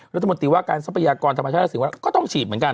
รัฐมนตรีว่าการทรัพยากรธรรมชาติและสิ่งว่าก็ต้องฉีดเหมือนกัน